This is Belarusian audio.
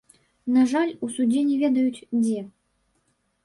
На жаль, у судзе не ведаюць, дзе.